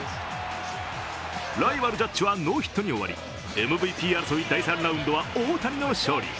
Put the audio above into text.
ライバル・ジャッジはノーヒットに終わりＭＶＰ争い第３ラウンドは大谷の勝利。